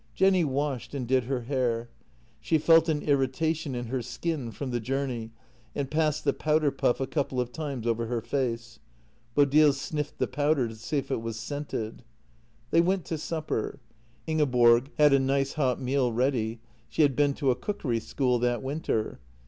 Jenny washed and did her hair; she felt an irritation in her skin from the journey, and passed the powder puff a couple of times over her face. Bodil sniffed the powder to see if it was scented. They went to supper. Ingeborg had a nice hot meal ready; she had been to a cookery school that winter.